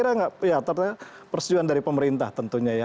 saya persetujuan dari pemerintah tentunya ya